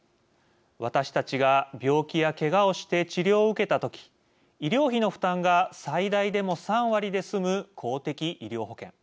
私たちが病気やけがをして治療を受けた時医療費の負担が最大でも３割で済む公的医療保険。